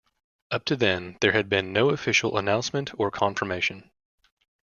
Up to then there had been no official announcement or confirmation.